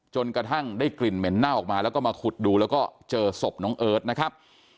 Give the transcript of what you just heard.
จนกระทั่งได้กลิ่นเหม็นเน่าออกมาแล้วก็มาขุดดูแล้วก็เจอศพน้องเอิร์ทนะครับ